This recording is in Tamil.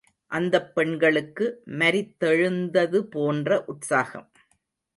அந்தப் பெண்களுக்கு மரித்தெழுந்தது போன்ற உற்சாகம்.